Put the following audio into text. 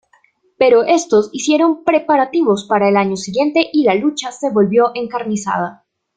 Pero estos hicieron preparativos para el año siguiente, y la lucha se volvió encarnizada.